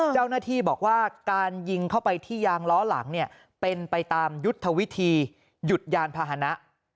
เจ้าหน้าที่บอกว่าการยิงเข้าไปที่ยางล้อหลังเนี่ยเป็นไปตามยุทธวิธีหยุดยานพาหนะ